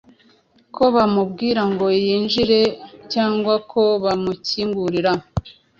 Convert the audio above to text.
ko bamubwira ngo yinjire cyangwa ko bamukingurira.